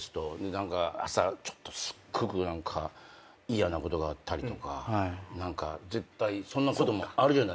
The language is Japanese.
何か朝すっごく嫌なことがあったりとか絶対そんなこともあるじゃないですか。